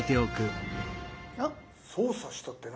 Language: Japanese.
操作したって何？